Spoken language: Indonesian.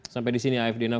sampai di sini afd enam